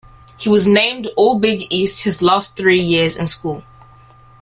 He was named All-Big East his last three years in school.